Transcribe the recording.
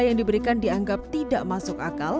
yang diberikan dianggap tidak masuk akal